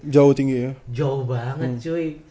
jauh tinggi ya jauh banget